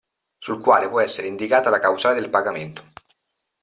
Sul quale può essere indicata la causale del pagamento.